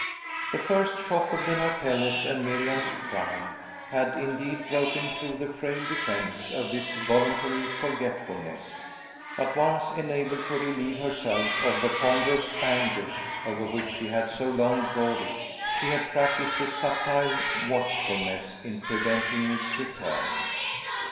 The first shock of Donatello's and Miriam's crime had, indeed, broken through the frail defence of this voluntary forgetfulness; but, once enabled to relieve herself of the ponderous anguish over which she had so long brooded, she had practised a subtile watchfulness in preventing its return.